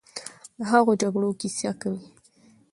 د هغو جګړو کیسه کوي،